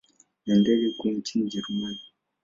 Ni ndege kuu nchini Ujerumani.